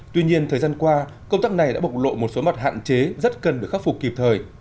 tuy nhiên thời gian qua công tác này đã bộc lộ một số mặt hạn chế rất cần được khắc phục kịp thời